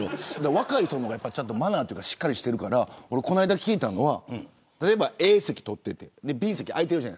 若い人の方がマナーとか、しっかりしてるからこの間、聞いたのは例えばＡ席を取っていてＢ席が空いている。